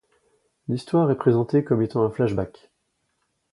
L'histoire est présentée comme étant un flashback.